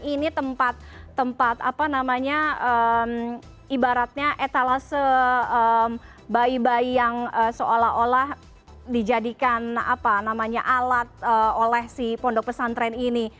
ini tempat tempat apa namanya ibaratnya etalase bayi bayi yang seolah olah dijadikan alat oleh si pondok pesantren ini